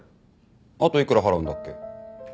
あといくら払うんだっけ？